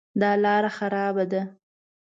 دا لاره خرابه ده